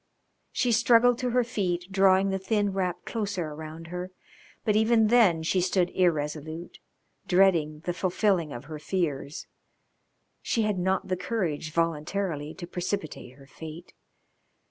She struggled to her feet, drawing the thin wrap closer around her. But even then she stood irresolute, dreading the fulfilling of her fears; she had not the courage voluntarily to precipitate her fate.